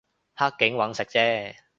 黑警搵食啫